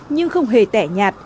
nhưng không hề tẻ nhạt